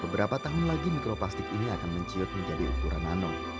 beberapa tahun lagi mikroplastik ini akan menciut menjadi ukuran nano